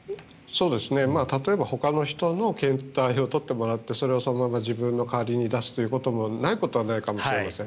例えばほかの人の検体を採ってもらってそれをそのまま自分の代わりに出すということもないことはないかもしれません。